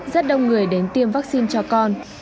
rất đông người đến tiêm chủng